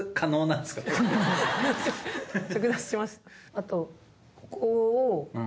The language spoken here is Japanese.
あとここを。